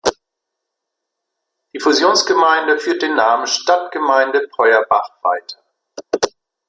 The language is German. Die Fusionsgemeinde führt den Namen "Stadtgemeinde Peuerbach" weiter.